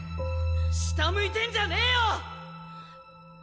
下向いてんじゃねえよ！